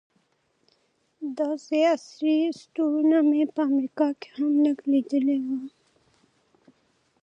داسې عصري سټورونه مې په امریکا کې هم لږ لیدلي وو.